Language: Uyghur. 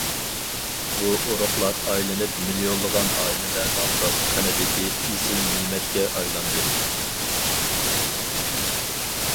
بۇ ئۇرۇقلار ئايلىنىپ مىليونلىغان ئائىلىلەرنىڭ داستىخىنىدىكى ئېسىل نېمەتكە ئايلاندى.